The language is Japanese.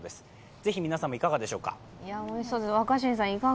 ぜひ皆さんもいかがでしょうか。